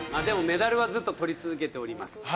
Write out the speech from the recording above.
でもメダルはずっと取り続けております